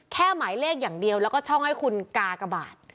หมายเลขอย่างเดียวแล้วก็ช่องให้คุณกากบาท